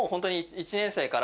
１年生から？